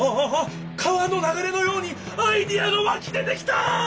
川のながれのようにアイデアがわき出てきた！